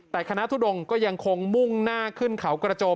แต่คณะทุดงก็ยังคงมุ่งหน้าขึ้นเขากระโจม